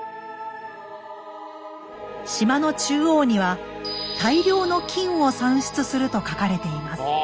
島の中央には「大量の金を産出する」と書かれています。